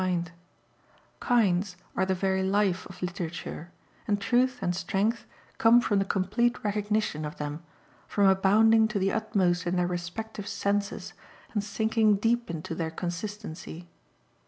"Kinds" are the very life of literature, and truth and strength come from the complete recognition of them, from abounding to the utmost in their respective senses and sinking deep into their consistency.